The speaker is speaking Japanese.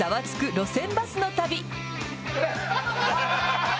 路線バスの旅」。